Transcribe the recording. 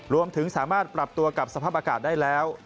รวมถึงสามารถปรับตัวกับสภาพอากาศได้แล้ว